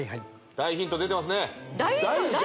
大ヒント出てます？